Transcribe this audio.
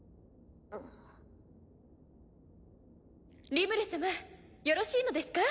リムル様よろしいのですか？